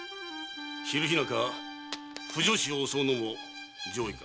昼日中婦女子を襲うのも上意か？